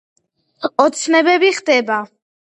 ოცნებები ხდება